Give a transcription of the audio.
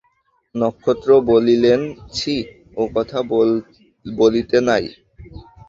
নক্ষত্র বলিলেন, ছি, ও কথা বলিতে নাই।